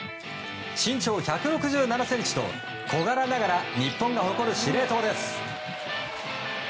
身長１６７ｃｍと小柄ながら日本が誇る司令塔です。